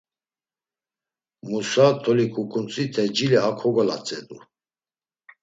Musa toli ǩuǩuntzite cile a kogolatzedu.